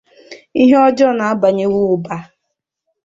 ihe ọjọọ ana-abawanye ụba